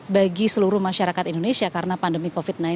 bagi seluruh masyarakat indonesia karena pandemi covid sembilan belas